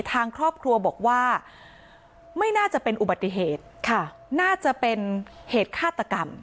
ทางครอบครัวบอกว่าไม่น่าจะเป็นอุบัติเหตุค่ะน่าจะเป็นเหตุฆาตกรรม